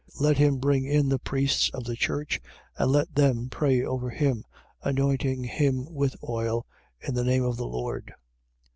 Let him bring in the priests of the church and let them pray over him, anointing him with oil in the name of the Lord.